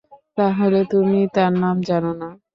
তাহলে তুমি তার নাম জানো না?